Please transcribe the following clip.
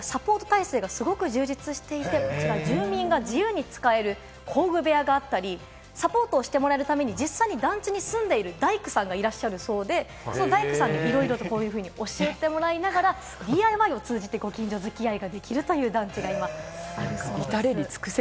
こちら、サポート体制がすごく充実していて、住民が自由に使える工具部屋があったり、サポートしてもらうために実際に団地に住んでいる大工さんがいらっしゃるそうで、大工さんにいろいろ教えてもらいながらＤＩＹを通じて、ご近所付き合いができるという団地が今、あるんです。